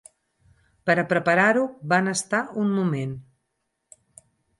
Pera preparar-ho van estar un moment.